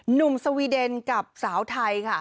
สวีเดนกับสาวไทยค่ะ